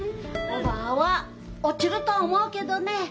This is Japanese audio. おばぁは落ちると思うけどねえ。